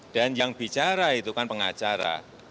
dan yang bicara itu kan pengacara